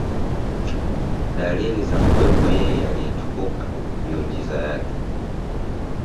dalili za kuwepo Yeye Aliyetukuka miujiza Yake